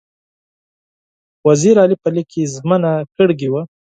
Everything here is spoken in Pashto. وزیر علي په لیک کې ژمنه کړې وه.